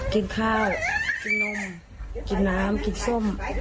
กินข้าวกินนมกินน้ำกินส้ม